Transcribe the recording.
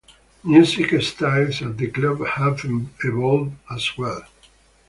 Music styles at the club have evolved as well.